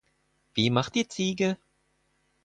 Wie macht die Ziege?